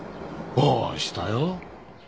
ああしたよ。